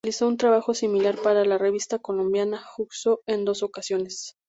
Realizó un trabajo similar para la revista colombiana "SoHo" en dos ocasiones.